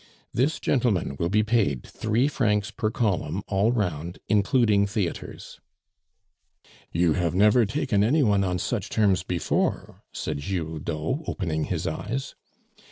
"This gentleman will be paid three francs per column all round, including theatres." "You have never taken any one on such terms before," said Giroudeau, opening his eyes.